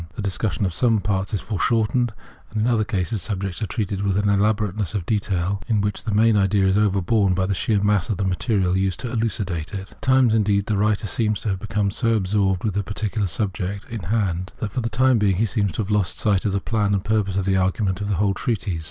The discussion of some parts is foreshortened ; in other cases, subjects are treated with an elaborateness of detail in which the main idea is overborne by the sheer mass of the material used to elucidate it. At times, indeed, the writer seems to have become so absorbed with the particular subject VOL. I. — 6 X Translator's Introduction in hand, that for the time being he seems to have lost, sight of the ^^lan and purpose of the argmnent of the whole treatise.